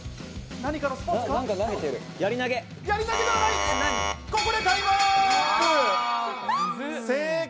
何かのスポーツか？